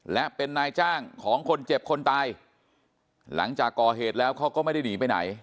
และเป็นนายจ้างของคนเจ็บคนตายหลังจากก่อเหตุแล้วเขาก็ไม่ได้หนีไปไหน